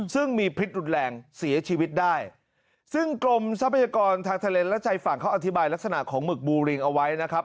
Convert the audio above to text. ซึ่งมีพิษรุนแรงเสียชีวิตได้ซึ่งกรมทรัพยากรทางทะเลและชายฝั่งเขาอธิบายลักษณะของหมึกบูริงเอาไว้นะครับ